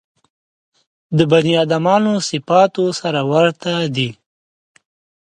د بني ادمانو صفاتو سره ورته دي.